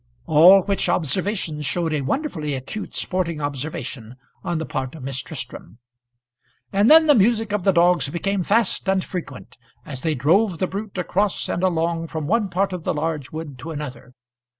All which observations showed a wonderfully acute sporting observation on the part of Miss Tristram. And then the music of the dogs became fast and frequent, as they drove the brute across and along from one part of the large wood to another.